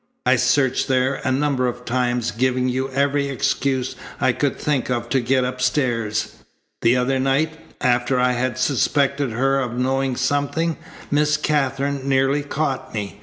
I searched there a number of times, giving you every excuse I could think of to get upstairs. The other night, after I had suspected her of knowing something, Miss Katherine nearly caught me.